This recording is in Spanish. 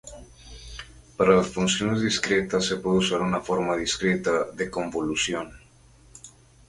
Para las funciones discretas se puede usar una forma discreta de la convolución.